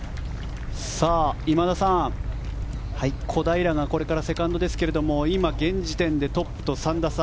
今田さん、小平がこれからセカンドですが今、現時点でトップと３打差。